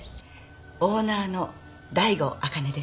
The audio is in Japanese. オーナーの醍醐あかねです。